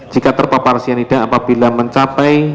jika terpapar cyanida apabila mencapai